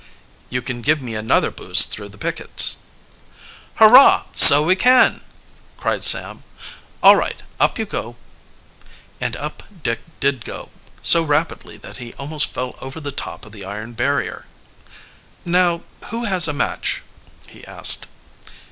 "You can give me another boost through the pickets." "Hurrah! so we can!" cried Sam. "All right; up you go!" And up Dick did go, so rapidly that he almost fell over the top of the iron barrier. "Now, who has a match?" he asked.